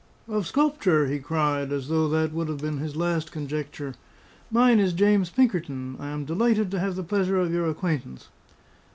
"Of sculpture?" he cried, as though that would have been his last conjecture. "Mine is James Pinkerton; I am delighted to have the pleasure of your acquaintance."